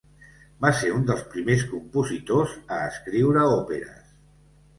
Va ser un dels primers compositors a escriure òperes.